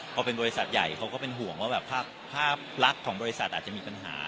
พอเป็นบริษัทใหญ่เขาก็เป็นห่วงว่าแบบภาพลักษณ์ของบริษัทอาจจะมีปัญหา